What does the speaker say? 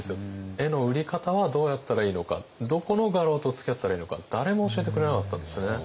絵の売り方はどうやったらいいのかどこの画廊とつきあったらいいのか誰も教えてくれなかったんですね。